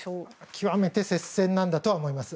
極めて接戦なんだと思います。